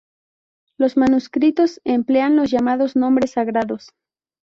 Los manuscritos emplean los llamados nombres sagrados.